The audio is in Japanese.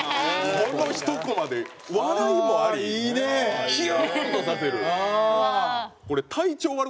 この１コマで笑いもありキュン！とさせる。